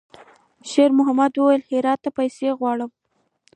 شېرمحمد وويل: «هرات ته پیسې غواړي.»